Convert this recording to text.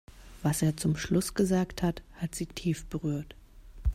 Was er zum Schluss gesagt hat, hat sie tief berührt.